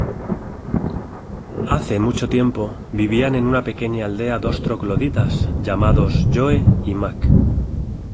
Hace mucho tiempo vivían en una pequeña aldea dos trogloditas llamados Joe y Mac.